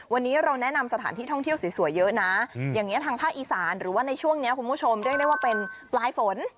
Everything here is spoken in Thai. วันนี้เราแนะนำสถานที่ท่องเที่ยวสวยเยอะนะอย่างนี้ทางภาคอีสานหรือว่าในช่วงนี้คุณผู้ชมเรียกได้ว่าเป็นปลายฝน